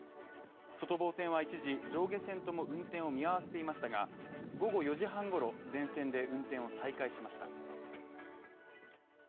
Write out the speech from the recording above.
外房線は一時、上下線とも運転を見合わせていましたが、午後４時半ごろ、全線で運転を再開しました。